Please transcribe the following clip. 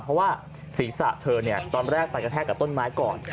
เพราะว่าศีรษะเธอตอนแรกไปกระแทกกับต้นไม้ก่อน